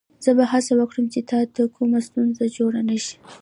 زه به هڅه وکړم چې تا ته کومه ستونزه جوړه نه شي.